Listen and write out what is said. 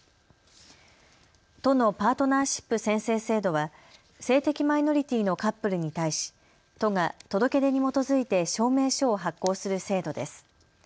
都のパートナーシップ宣誓制度は性的マイノリティーのカップルに対し都が届け出に基づいて証明書を発行する制度です。